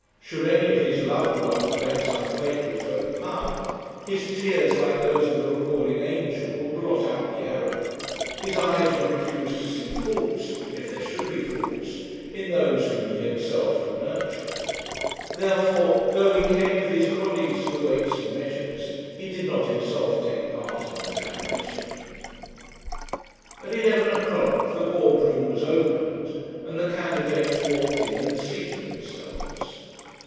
Should any of his loved ones make some fatal faux pas, his tears, like those of the recording angel, would blot out the error. His eyes would refuse to see faults, if there should be faults, in those whom he himself had nurtured. Therefore, though he came with his colleagues to the Weights and Measures, he did not himself take part in the examination. At eleven o'clock the Board room was opened, and the candidates walked in and seated themselves.